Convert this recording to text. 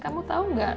kamu tau gak